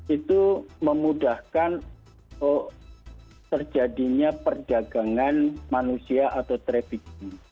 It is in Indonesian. itu memudahkan terjadinya perdagangan manusia atau traffic